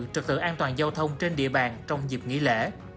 trực tự an toàn giao thông trên địa bàn trong dịp nghỉ lễ